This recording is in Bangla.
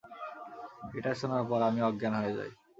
এটা শোনার পর আমি অজ্ঞান হয়ে যাই।